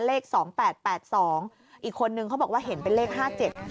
เลข๒๘๘๒อีกคนนึงเขาบอกว่าเห็นเป็นเลข๕๗